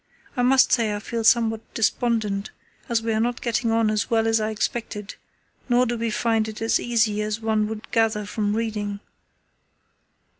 I must say I feel somewhat despondent, as we are not getting on as well as I expected, nor do we find it as easy as one would gather from reading."